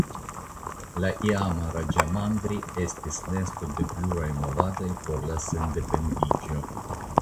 La iama Raĝamandri estis nesto de pluraj movadoj por la sendependiĝo.